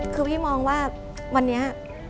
คือพี่มองว่าวันนี้